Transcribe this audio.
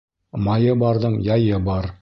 Майы барҙың яйы бар.